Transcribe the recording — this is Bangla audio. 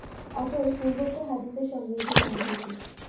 অতএব, পূর্বোক্ত হাদীসের সঙ্গে এটি সাংঘর্ষিক।